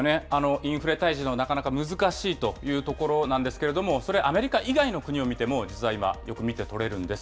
インフレ退治もなかなか難しいというところなんですけれども、それ、アメリカ以外の国を見ても、よく見てとれるんです。